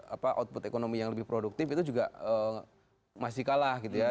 apa output ekonomi yang lebih produktif itu juga masih kalah gitu ya